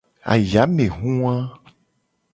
Ayamehu wa.